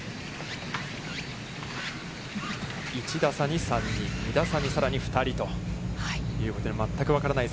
１打差に３人、２打差にさらに２人ということで、全く分からない